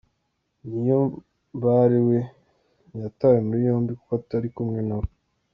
Niyombare we ntiyatawe muri yombi kuko atari kumwe na bo.